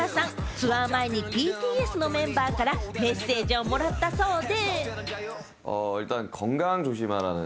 ツアー前にＢＴＳのメンバーからメッセージをもらったそうで。